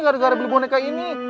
gara gara beli boneka ini